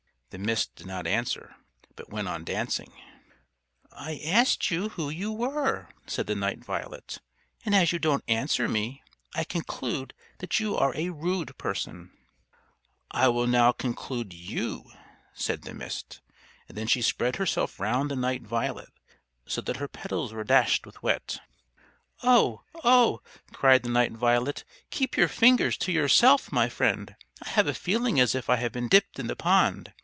The Mist did not answer, but went on dancing. "I asked you who you were," said the Night Violet. "And as you don't answer me, I conclude that you are a rude person." "I will now conclude you" said the Mist. And then she spread herself round the Night Violet, so that her petals were dashed with wet. "Oh, oh!" cried the Night Violet. "Keep your fingers to yourself, my friend. I have a feeling as if I had been dipped in the pond.